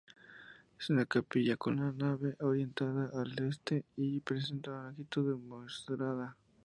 Es una capilla con la nave orientada al este y presenta una longitud desmesurada.